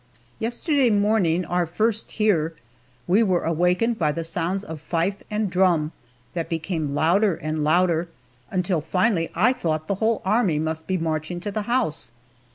Yesterday morning our first here we were awakened by the sounds of fife and drum that became louder and louder, until finally I thought the whole Army must be marching to the house.